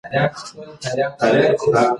انارګل د خپلې مور مینه حس کړه.